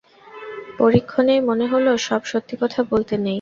পরীক্ষণেই মনে হল, সব সত্যি কথা বলতে নেই।